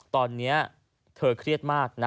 ตอนนี้เธอเครียดมากนะ